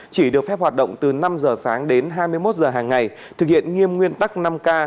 chỉ được phép hoạt động từ năm giờ sáng đến hai mươi một giờ hàng ngày thực hiện nghiêm nguyên tắc năm k